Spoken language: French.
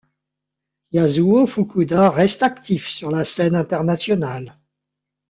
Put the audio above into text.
Yasuo Fukuda reste actif sur la scène internationale.